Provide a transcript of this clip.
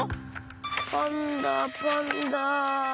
パンダパンダ。